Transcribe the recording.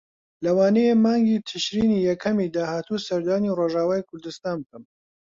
لەوانەیە مانگی تشرینی یەکەمی داهاتوو سەردانی ڕۆژاوای کوردستان بکەم.